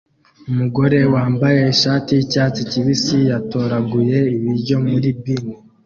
Umugore wambaye ishati yicyatsi kibisi yatoraguye ibiryo muri bin